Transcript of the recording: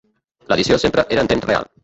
L'edició sempre era en temps real.